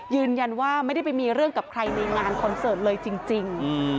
ยืนยันว่าไม่ได้ไปมีเรื่องกับใครในงานคอนเสิร์ตเลยจริง